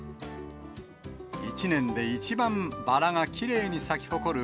１年で一番バラがきれいに咲き誇る